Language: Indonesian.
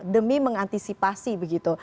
demi mengantisipasi begitu